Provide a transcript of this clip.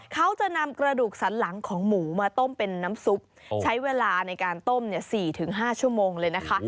เขาจะนำกระดูกสันหลังของหมูมาต้มเป็นน้ำซุปใช้เวลาในการต้ม๔๕ชั่วโมงเลยนะคะ